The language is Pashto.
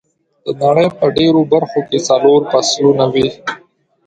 د نړۍ په ډېرو برخو کې څلور فصلونه وي.